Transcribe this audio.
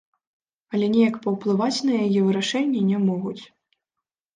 Але неяк паўплываць на яе вырашэнне не могуць.